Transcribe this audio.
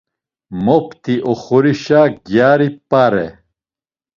Mopti oxorişa gyari p̆are.